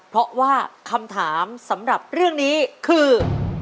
เพราะว่าคำถามสำหรับเรื่องนี้คือ